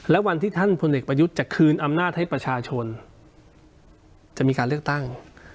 และวันที่ท่านพลเอกประยุทธ์จะคืนอำนาจให้ประชาชนจะมีการเลือกตั้ง